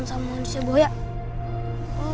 gak ada itu manusia buaya ini